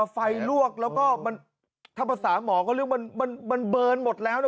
ไฟลวกแล้วก็มันถ้าภาษาหมอก็เรียกมันเบิร์นหมดแล้วนะ